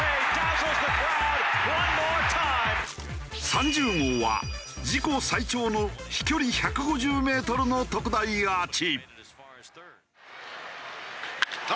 ３０号は自己最長の飛距離１５０メートルの特大アーチ。